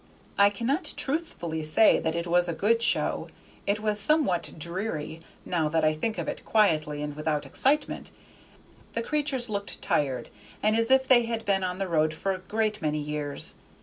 I cannot truthfully say that it was a good show; it was somewhat dreary, now that I think of it quietly and without excitement. The creatures looked tired, and as if they had been on the road for a great many years.